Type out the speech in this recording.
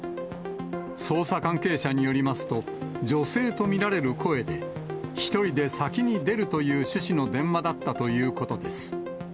捜査関係者によりますと、女性と見られる声で、１人で先に出るという趣旨の電話だったということです。